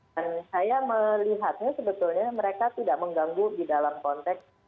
dan saya melihatnya sebetulnya mereka tidak mengganggu di dalam konteks